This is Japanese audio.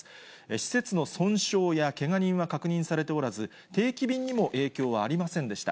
施設の損傷やけが人は確認されておらず、定期便にも影響はありませんでした。